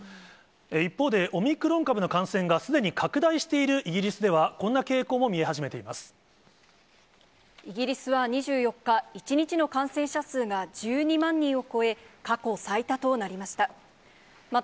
一方で、オミクロン株の感染が、すでに拡大しているイギリスでは、イギリスは２４日、１日の感染者数が１２万人を超え、過去最多となりました。